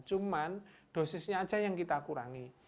cuma dosisnya aja yang kita kurangi